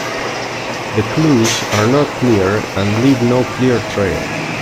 The clues are not clear and leave no clear trail.